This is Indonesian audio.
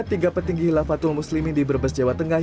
tiga petinggi hilafatul muslimin di brebes jawa tengah